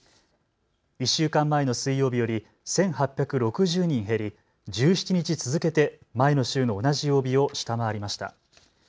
１週間前の水曜日より１８６０人減り１７日続けて前の週の同じ曜日を下回りました。